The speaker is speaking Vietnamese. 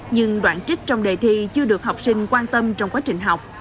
nhưng đoạn trích trong đề thi chưa được học sinh quan tâm trong quá trình học